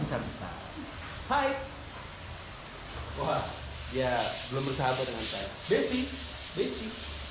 besar besar hai oh ya belum bersahabat dengan saya besi besi